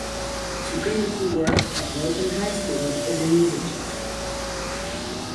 She previously worked at Lowton High School as a music teacher.